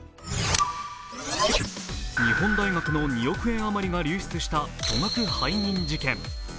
日本大学の２億円あまりが流出した巨額背任事件。